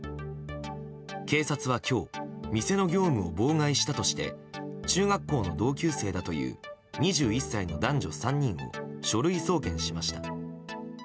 警察は今日店の業務を妨害したとして中学校の同級生だという２１歳の男女３人を書類送検しました。